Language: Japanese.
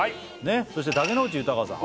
そして竹野内豊さん